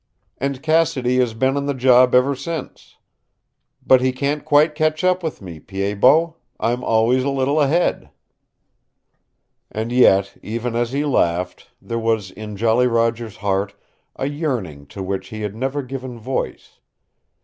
And Cassidy has been on the job ever since. But he can't quite catch up with me, Pied Bot. I'm always a little ahead." And yet, even as he laughed, there was in Jolly Roger's heart a yearning to which he had never given voice.